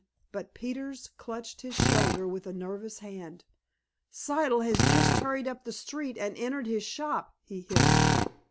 But Peters clutched his shoulder with a nervous hand. "Siddle has just hurried up the street and entered his shop," he hissed.